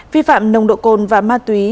vi phạm nông độ cồn và ma túy